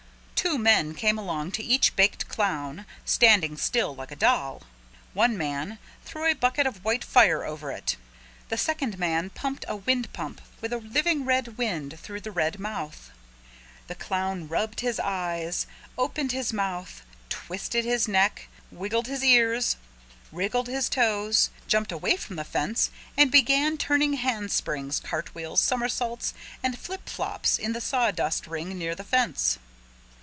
Two men came along to each baked clown standing still like a doll. One man threw a bucket of white fire over it. The second man pumped a wind pump with a living red wind through the red mouth. The clown rubbed his eyes, opened his mouth, twisted his neck, wiggled his ears, wriggled his toes, jumped away from the fence and began turning handsprings, cartwheels, somersaults and flipflops in the sawdust ring near the fence.